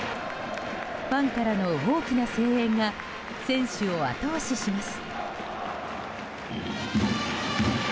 ファンからの大きな声援が選手を後押しします。